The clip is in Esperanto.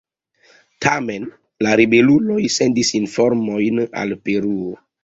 Tamen la ribeluloj sendis informojn al Peruo.